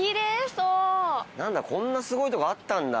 何だこんなすごいとこあったんだ。